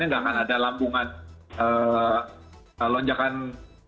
tidak akan ada lambungan lonjakan kemarin gitu